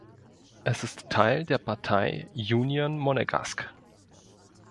Es ist Teil der Partei Union Monegasque.